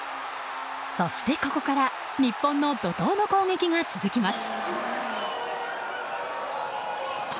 そして、ここから日本の怒涛の攻撃が続きます。